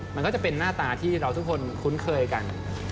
มันก็จะเป็นหน้าตาที่เราทุกคนคุ้นเคยกัน